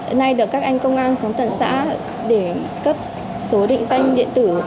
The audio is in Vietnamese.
đến nay được các anh công an xuống tận xã để cấp số định danh điện tử